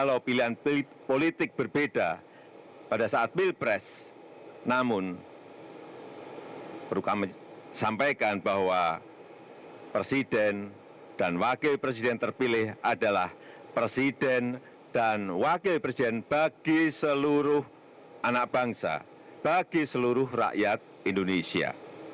walau pilihan politik berbeda pada saat pilpres namun perlu kami sampaikan bahwa presiden dan wakil presiden terpilih adalah presiden dan wakil presiden bagi seluruh anak bangsa bagi seluruh rakyat indonesia